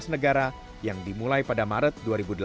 tujuh belas negara yang dimulai pada maret dua ribu delapan belas